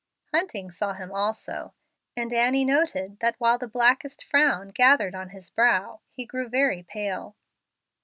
Hunting saw him also, and Annie noted that, while the blackest frown gathered on his brow, he grew very pale.